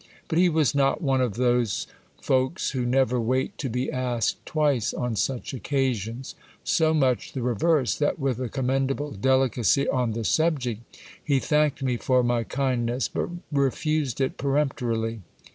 But he was not one of those folks who never wait to be asked twice on such occasions. So much the re verse, that with a commendable delicacy on the subject, he thanked me for my kindness, but refused it peremptorily.